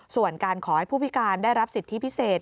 ส่วนการขอให้ผู้พิการได้รับสิทธิพิเศษ